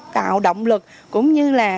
tạo động lực cũng như là